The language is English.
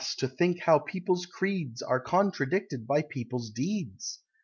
to think how people's creeds Are contradicted by people's deeds!